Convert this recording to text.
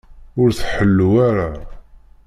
Ur tḥellu ara.